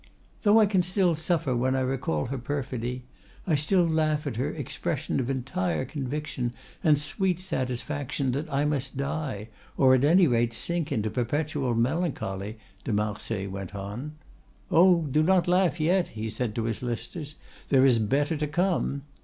"Though I can still suffer when I recall her perfidy, I still laugh at her expression of entire conviction and sweet satisfaction that I must die, or at any rate sink into perpetual melancholy," de Marsay went on. "Oh! do not laugh yet!" he said to his listeners; "there is better to come.